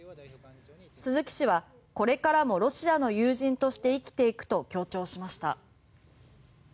鈴木氏はこれからもロシアの友人として生きていくと強調しました。